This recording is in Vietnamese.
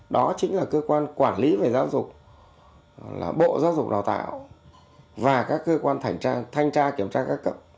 đó chính là cơ quan quản lý về giáo dục là bộ giáo dục đào tạo và các cơ quan thành tra kiểm tra các cấp